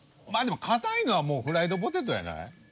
まあでも堅いのはフライドポテトやない？